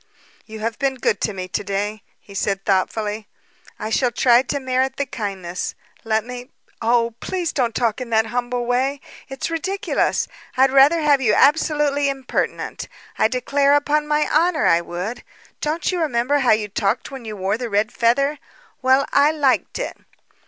"You have been good to me to day," he said thoughtfully. "I shall try to merit the kindness. Let me " "Oh, please don't talk in that humble way! It's ridiculous! I'd rather have you absolutely impertinent, I declare upon my honor I would. Don't you remember how you talked when you wore the red feather? Well, I liked it."